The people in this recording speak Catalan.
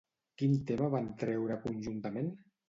Quin tema van treure conjuntament?